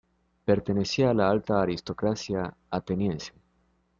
Pertenecía a la alta aristocracia ateniense.